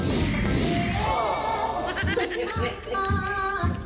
โพกเขียนเหรอครับ